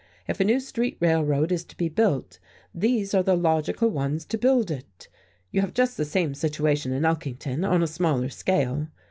If a new street railroad is to be built, these are the logical ones to build it. You have just the same situation in Elkington, on a smaller scale.